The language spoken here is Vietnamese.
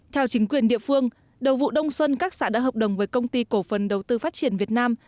theo chính quyền địa phương đầu vụ đông xuân các xã đã hợp đồng với công ty cổ phần đầu tư phát triển việt nam